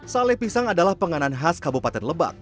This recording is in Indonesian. sale pisang adalah penganan khas kabupaten lebak